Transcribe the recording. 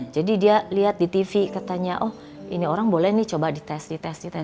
jadi dia lihat di tv katanya oh ini orang boleh nih coba dites dites